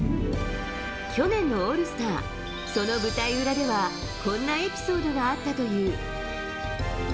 去年のオールスター、その舞台裏では、こんなエピソードがあったという。